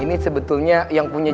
ini sebetulnya yang punya